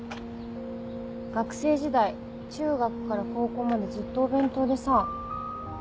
学生時代中学から高校までずっとお弁当でさ。